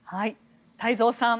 太蔵さん